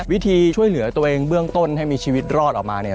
วิธีช่วยเหลือตัวเองเบื้องต้นให้มีชีวิตรอดออกมาเนี่ย